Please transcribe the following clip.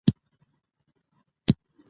سلیمان غر د انرژۍ سکتور یوه برخه ده.